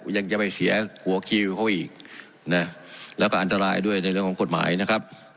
ยังจะไปเสียหัวคิวเขาอีกนะแล้วก็อันตรายด้วยในเรื่องของกฎหมายนะครับ